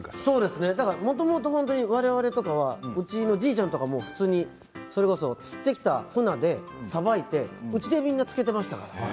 もともと我々はうちのじいちゃんとかも普通にそれこそ釣ってきたふなでさばいてうちでみんな漬けていましたから。